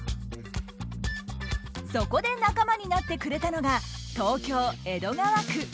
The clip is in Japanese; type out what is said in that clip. そこで仲間になってくれたのが東京・江戸川区。